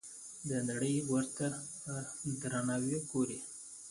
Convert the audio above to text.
چې نړۍ ورته په درناوي ګوري.